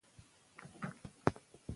د هغه ظلم هیڅ سرحد او قانون نه پېژانده.